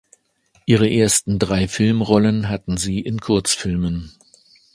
Ihre ersten drei Filmrollen hatte sie in Kurzfilmen.